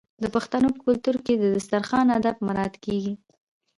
د پښتنو په کلتور کې د دسترخان اداب مراعات کیږي.